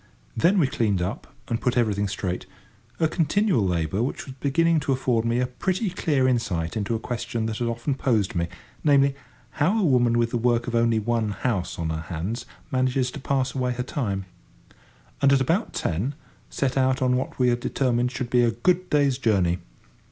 Then we cleaned up, and put everything straight (a continual labour, which was beginning to afford me a pretty clear insight into a question that had often posed me—namely, how a woman with the work of only one house on her hands manages to pass away her time), and, at about ten, set out on what we had determined should be a good day's journey.